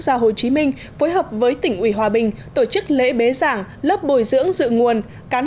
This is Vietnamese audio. gia hồ chí minh phối hợp với tỉnh ủy hòa bình tổ chức lễ bế giảng lớp bồi dưỡng dự nguồn cán